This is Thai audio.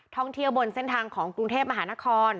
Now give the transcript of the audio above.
ท่องเที่ยวบนเส้นทางของกรุงเทพมหานคร